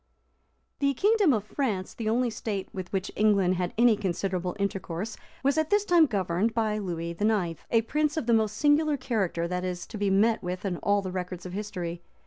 [*] The kingdom of France, the only state with which England had any considerable intercourse, was at this time governed by Lewis IX., a prince of the most singular character that is to be met with in all the records of history.